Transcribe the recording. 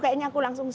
kayaknya aku langsung